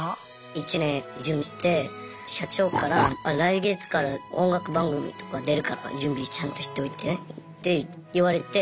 １年準備して社長から来月から音楽番組とか出るから準備ちゃんとしておいてって言われて。